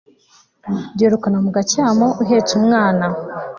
duherukana mu gacyamo uhetse umwana